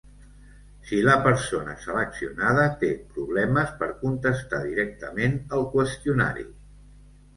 Si la persona seleccionada té problemes per contestar directament el qüestionari.